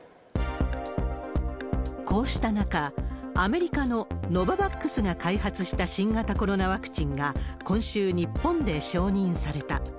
こうした中、アメリカのノババックスが開発した新型コロナワクチンが、今週、日本で承認された。